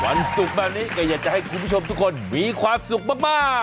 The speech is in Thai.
วันศุกร์แบบนี้ก็อยากจะให้คุณผู้ชมทุกคนมีความสุขมาก